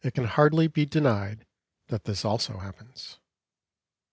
It can hardly be denied that this also happens.